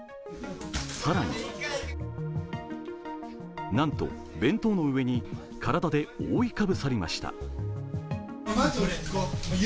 更に、なんと、弁当の上に体で覆いかぶさりました。